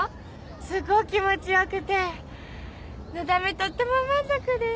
すっごく気持ちよくてのだめとっても満足です。